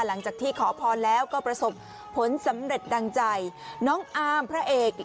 หลังจากที่ขอพรแล้วก็ประสบผลสำเร็จดังใจน้องอาร์มพระเอก